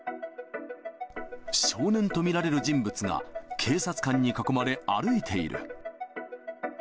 少年と見られる人物が、警察官に囲まれ、歩いている。